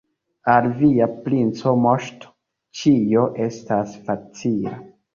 Al via princa moŝto ĉio estas facila.